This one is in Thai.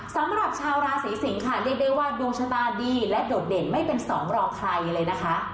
สำหรับชาวราศีสิงค่ะเรียกได้ว่าดวงชะตาดีและโดดเด่นไม่เป็นสองรอใครเลยนะคะ